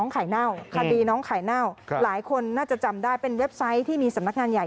ไข่เน่าคดีน้องไข่เน่าหลายคนน่าจะจำได้เป็นเว็บไซต์ที่มีสำนักงานใหญ่